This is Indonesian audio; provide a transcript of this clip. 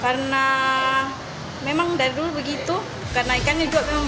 karena memang dari dulu begitu karena ikannya juga memang bagus